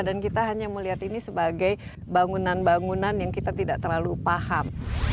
dan kita hanya melihat ini sebagai bangunan bangunan yang kita tidak terlalu paham